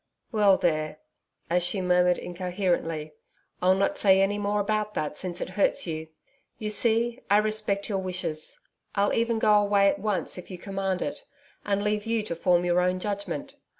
Well there' as she murmured incoherently, 'I'll not say any more about that since it hurts you. You see, I respect your wishes. I'll even go away at once, if you command it, and leave you to form your own judgment.